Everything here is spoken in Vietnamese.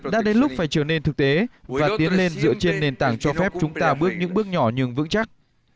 đã đến lúc phải trở nên thực tế và tiến lên dựa trên nền tảng cho phép chúng ta bước những bước nhỏ nhưng vững chắc